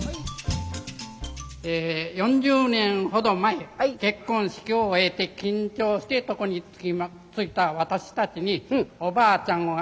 え４０年ほど前結婚式を終えて緊張して床に就いた私たちにおばあちゃんはあることをしました。